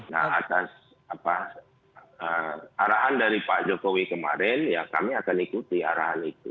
nah atas arahan dari pak jokowi kemarin ya kami akan ikuti arahan itu